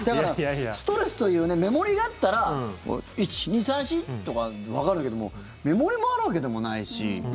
ストレスという目盛りがあったら１、２、３、４とかわかるけど目盛りもあるわけでもないし。